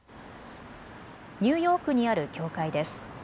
ニューヨークにある教会です。